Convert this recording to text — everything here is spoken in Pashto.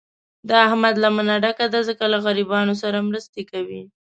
د احمد لمنه ډکه ده، ځکه له غریبانو سره مرستې کوي.